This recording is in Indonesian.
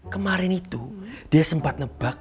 kemarin itu dia sempat nebak